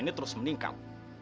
dia terus menikam